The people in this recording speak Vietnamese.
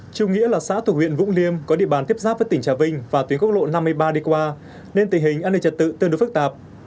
trung nghĩa là xã thuộc huyện vũng liêm có địa bàn tiếp giáp với tỉnh trà vinh và tuyến quốc lộ năm mươi ba đi qua nên tình hình an ninh trật tự tương đối phức tạp